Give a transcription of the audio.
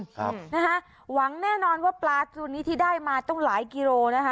ครับนะฮะหวังแน่นอนว่าปลาตัวนี้ที่ได้มาต้องหลายกิโลนะคะ